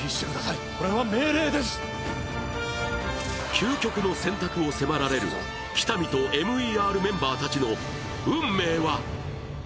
究極の選択を迫られる喜多見とＭＥＲメンバーたちの運命は？